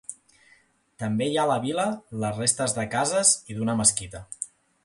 També hi ha a la vila les restes de cases i d'una mesquita.